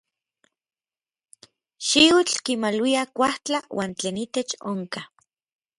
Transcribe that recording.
Xiutl kimaluia kuajtla uan tlen itech onka.